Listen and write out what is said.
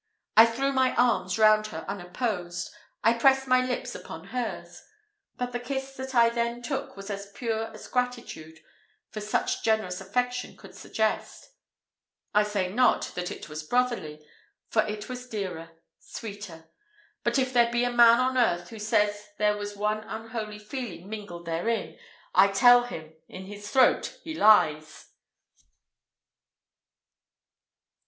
I threw my arms round her unopposed I pressed my lips upon hers; but the kiss that I then took was as pure as gratitude for such generous affection could suggest I say not that it was brotherly, for it was dearer sweeter; but if there be a man on earth who says there was one unholy feeling mingled therein, I tell him, in his throat, he lies!